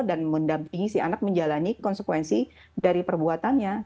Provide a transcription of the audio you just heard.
dan mendampingi si anak menjalani konsekuensi dari perbuatannya